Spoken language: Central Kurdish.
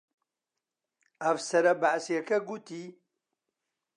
ئەفسەرە بەعسییەکە گوتی: